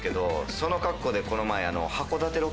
その格好でこの前。